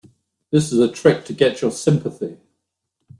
This is a trick to get your sympathy.